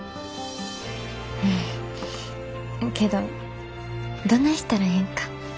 うんけどどないしたらええんか。